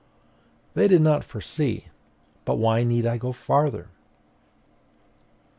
They did not foresee.... But why need I go farther?